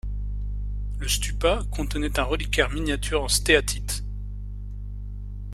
Le stupa contenait un reliquaire miniature en stéatite.